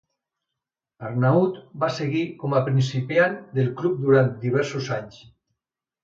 Arnaud va seguir com a principiant del club durant diversos anys.